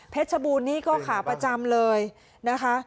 ชบูรณนี่ก็ขาประจำเลยนะคะ